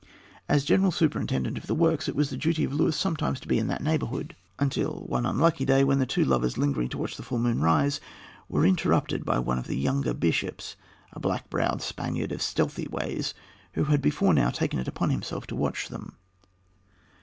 As general superintendent of the works, it was the duty of Luis sometimes to be in that neighborhood, until one unlucky day when the two lovers, lingering to watch the full moon rise, were interrupted by one of the younger bishops, a black browed Spaniard of stealthy ways, who had before now taken it upon himself to watch them.